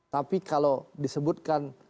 tapi kalau disebutkan